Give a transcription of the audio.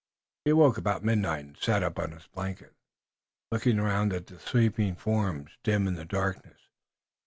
He awoke about midnight and sat up on his blanket, looking around at the sleeping forms, dim in the darkness.